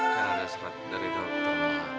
kan ada surat dari dokter